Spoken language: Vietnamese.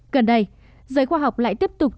gần đây giới khoa học lại tiếp tục